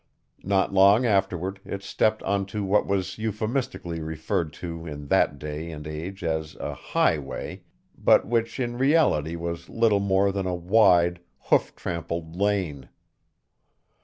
Not long afterward it stepped onto what was euphemistically referred to in that day and age as a "highway" but which in reality was little more than a wide, hoof trampled lane.